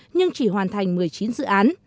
nhưng chỉ hoàn thành một mươi chín dự án